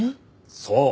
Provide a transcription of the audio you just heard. そう。